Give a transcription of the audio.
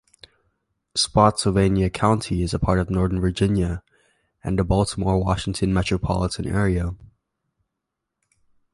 Spotsylvania County is a part of Northern Virginia and the Baltimore-Washington metropolitan area.